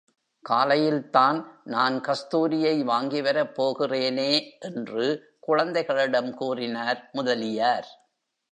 காலையில் தான் நான் கஸ்தூரியை வாங்கிவரப் போகிறேனே! என்று குழந்தைகளிடம் கூறினார் முதலியார்.